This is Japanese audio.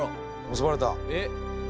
結ばれた。